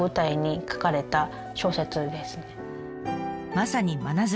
まさに「真鶴」。